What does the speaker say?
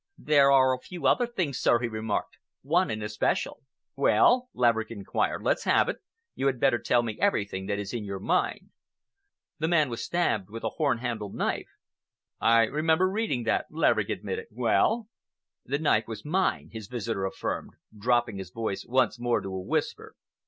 "There are a few other things, sir," he remarked,—"one in especial." "Well?" Laverick inquired. "Let's have it. You had better tell me everything that is in your mind." "The man was stabbed with a horn handled knife." "I remember reading that," Laverick admitted. "Well?" "The knife was mine," his visitor affirmed, dropping his voice once more to a whisper.